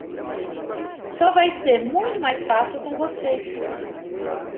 Só vai ser muito mais fácil com você.